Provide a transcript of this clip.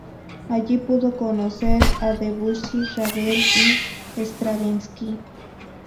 Allí pudo conocer a Debussy, Ravel y Stravinsky.